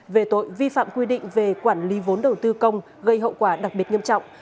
về tội vi phạm quy định về quản lý vốn đầu tư công gây hậu quả đặc biệt nghiêm trọng